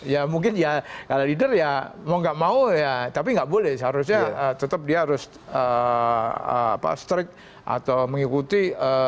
ya mungkin ya kalau leader ya mau nggak mau ya tapi nggak boleh seharusnya tetap dia harus strict atau mengikuti